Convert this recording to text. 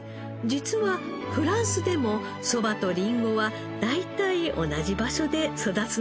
実はフランスでもそばとりんごは大体同じ場所で育つのだそうです。